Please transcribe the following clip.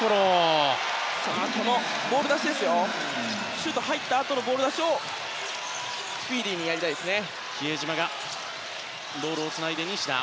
シュートが入ったあとのボール出しをスピーディーにやりたいですね。